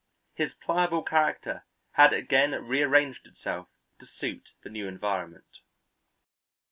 His pliable character had again rearranged itself to suit the new environment.